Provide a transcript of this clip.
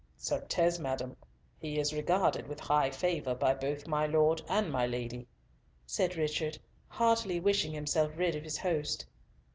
"Certes, madam, he is regarded with high favour by both my Lord and my Lady," said Richard, heartily wishing himself rid of his host.